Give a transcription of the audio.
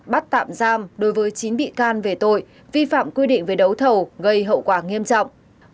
bắt tạm giam đối với chín bị can về tội vi phạm quy định về đấu thầu gây hậu quả nghiêm trọng